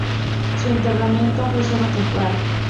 Su enterramiento fue sólo temporal.